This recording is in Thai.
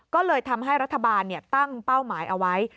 ก็เลยทำให้รัฐบาลตั้งเป้าหมายเอาไว้